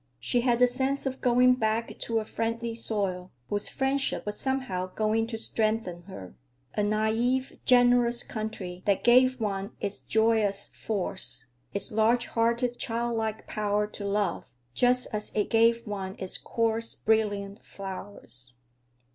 She had the sense of going back to a friendly soil, whose friendship was somehow going to strengthen her; a naive, generous country that gave one its joyous force, its large hearted, childlike power to love, just as it gave one its coarse, brilliant flowers.